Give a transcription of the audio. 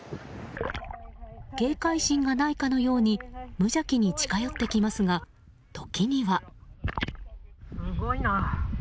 警戒心がないかのように無邪気に近寄ってきますが時には。